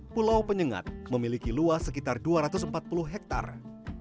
pulau penyengat memiliki luas sekitar dua ratus empat puluh hektare